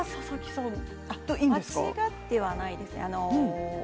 間違ってはいないです。